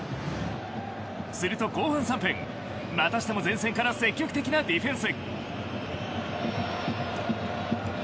すると後半３分またしても前線から積極的なディフェンス。